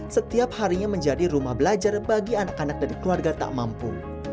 setiap harinya menjadi rumah belajar bagi anak anak dan keluarga tak mampu